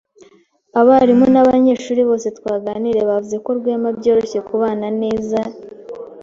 Abarimu nabanyeshuri bose twaganiriye bavuze ko Rwema byoroshye kubana neza.